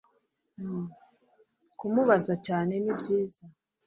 kumubaza cyane ni byiza